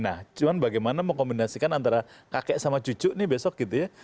nah cuma bagaimana mengkombinasikan antara kakek sama cucu nih besok gitu ya